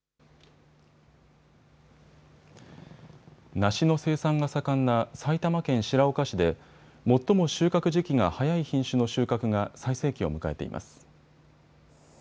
梨の生産が盛んな埼玉県白岡市で最も収穫時期が早い品種の収穫が最盛期を迎えています。